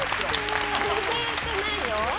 全然減ってないよ。